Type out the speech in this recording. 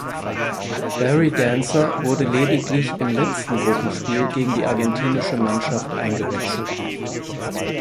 Barry Dancer wurde lediglich im letzten Gruppenspiel gegen die argentinische Mannschaft eingewechselt.